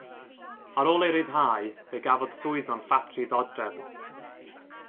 Ar ôl ei ryddhau fe gafodd swydd mewn ffatri ddodrefn.